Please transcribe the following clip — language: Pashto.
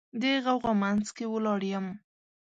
د غوغا منځ کې ولاړ یم